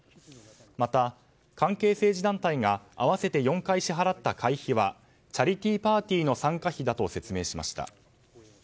また、関係政治団体が合わせて４回支払った会費はチャリティーパーティーの参加費だと説明しました。